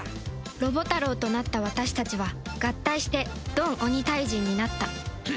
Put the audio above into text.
ロボタロウとなった私たちは合体してドンオニタイジンになった